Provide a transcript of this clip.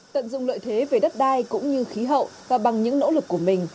tận dụng lợi thế về đất đai cũng như khí hậu và bằng những nỗ lực của mình